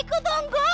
mampu mampu mampu